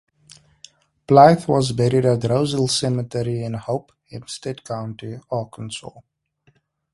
Blythe was buried at Rose Hill Cemetery in Hope, Hempstead County, Arkansas.